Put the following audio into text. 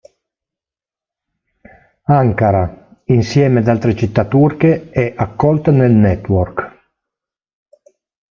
Ankara, insieme ad altre città turche, è accolta nel network.